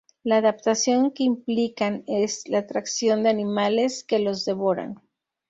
La adaptación que implican es la atracción de animales, que los devoran.